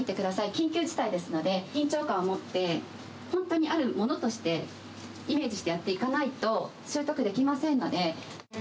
緊急事態ですので、緊張感を持って、本当にあるものとして、イメージしてやっていかないと、習得できませんので。